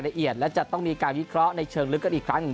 ละเอียดและจะต้องมีการวิเคราะห์ในเชิงลึกกันอีกครั้งหนึ่ง